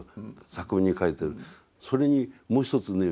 それにもう一つね